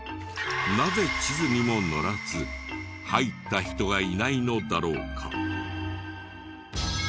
なぜ地図にも載らず入った人がいないのだろうか。